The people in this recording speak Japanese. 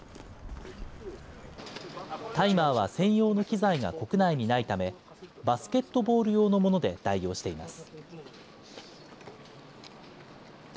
タイマーは専用の機材が国内にないため、バスケットボール用のもので代用しています。